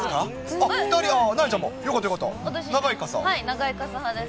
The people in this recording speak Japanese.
長い傘派です。